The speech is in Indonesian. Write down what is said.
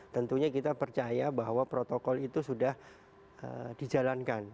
tentunya kita percaya bahwa protokol itu sudah dijalankan